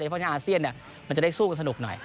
เพราะในอาเซียนมันจะได้สู้กันสนุกหน่อย